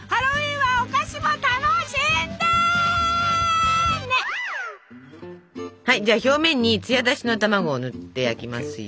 はいじゃあ表面にツヤ出しの卵を塗って焼きますよ。